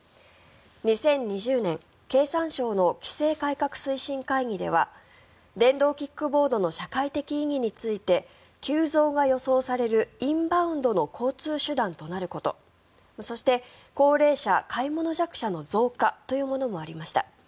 ２０２０年経産省の規制改革推進会議では電動キックボードの社会的意義について急増が予想されるインバウンドの交通手段となることそして、高齢者・買い物弱者の増加というものもありました。